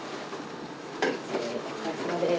お疲れさまです。